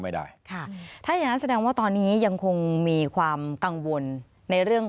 ไม่ได้ค่ะถ้าอย่างงั้นแสดงว่าตอนนี้ยังคงมีความกังวลในเรื่อง